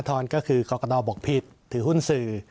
ทรก็คือกรกตบอกผิดถือหุ้นสื่อ